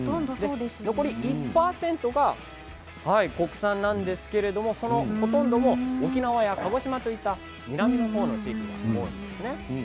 残り１％が国産なんですけどそのほとんどが沖縄や鹿児島県南の方の地域が多いんですね。